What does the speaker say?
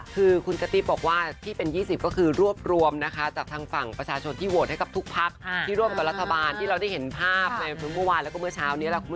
คือคุณกระติบบอกว่าที่เป็น๒๐ก็คือรวบรวมนะคะจากทางฝั่งประชาชนที่โวนให้กับทุกพักที่ร่วมกับรัฐบาลที่เราได้เห็นภาพ